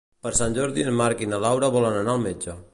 Per Sant Jordi en Marc i na Laura volen anar al metge.